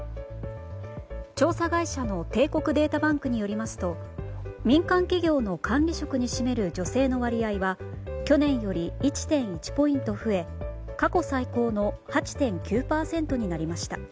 調査会社の帝国データバンクによりますと民間企業の管理職に占める女性の割合は去年より１．１ポイント増え過去最多の８．９％になりました。